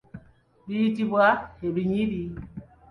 Biyitibwa ebinyiri.